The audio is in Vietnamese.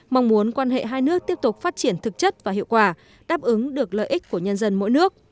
mong muốn quan hệ hai nước tiếp tục phát triển thực chất và hiệu quả đáp ứng được lợi ích của nhân dân mỗi nước